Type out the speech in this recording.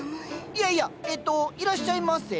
いやいやえっといらっしゃいませ？